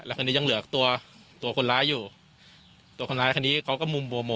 คราวนี้ยังเหลือตัวตัวคนร้ายอยู่ตัวคนร้ายคันนี้เขาก็มุมโบโมโม